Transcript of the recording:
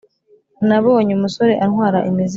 nabonye umusore antwara imizigo.